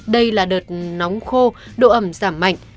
đây là đợt nóng khô độ ẩm giảm mạnh